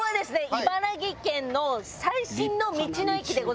茨城県の最新の道の駅でございます。